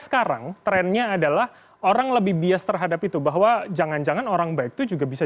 sekarang trennya adalah orang lebih bias terhadap itu bahwa jangan jangan orang baik itu juga bisa